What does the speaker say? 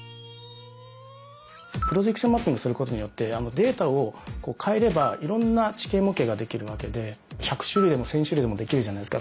プロジェクションマッピングすることによってデータを変えればいろんな地形模型ができるわけで１００種類でも１，０００種類でもできるじゃないですか。